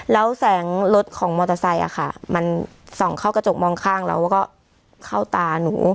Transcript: แล้วแสงรถของมอเตอร์ไซค์มันส่องเข้ากระจกมองข้างแล้วก็เข้าตาหนู